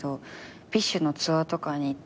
ＢｉＳＨのツアーとかに行って。